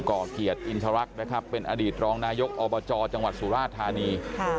่อเกียรติอินทรรักษ์นะครับเป็นอดีตรองนายกอบจจังหวัดสุราธานี